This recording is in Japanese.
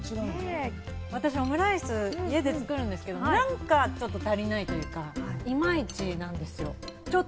私、オムライスを家で作るんですけど、なんかちょっと足りないというか、イマイチなんですよ。